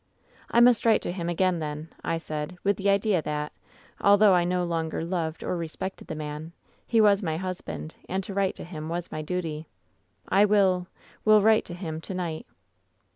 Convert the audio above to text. " ^I must write to him again, then,' I said, with the idea that, although I no longer loved or respected the man, he was my husband, and to write to him was my duty. ^1 will — ^will write to him to night.'